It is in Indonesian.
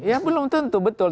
ya belum tentu betul